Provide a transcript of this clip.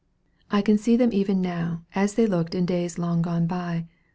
I can see them even now, as they looked in days long gone by.